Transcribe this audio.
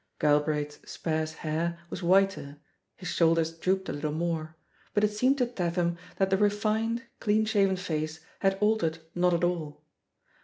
*' Galbraith's sparse hair was whiter, his shoulders drooped a little more, but it seemed to Tatham that the refined, clean shaven face had altered not at all.